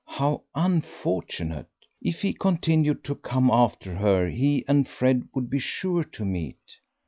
How unfortunate! If he continued to come after her he and Fred would be sure to meet.